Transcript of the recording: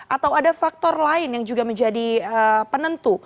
atau ada faktor lain yang juga menjadi penentu